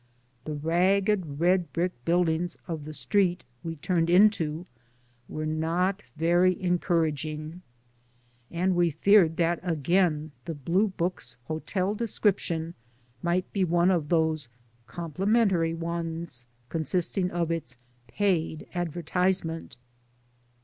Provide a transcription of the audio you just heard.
The ragged red brick buildings of the street we turned into were not very encouraging and we feared that again the Blue Book's hotel description might be one of those complimentary '^ ones, consisting of its paid advertisement.